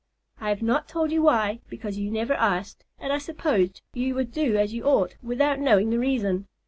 I have not told you why, because you never asked, and I supposed you would do as you ought without knowing the reason.